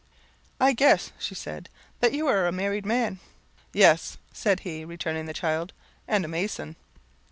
"I guess," she said, "that you are a married man?" "Yes," said he, returning the child, "and a mason."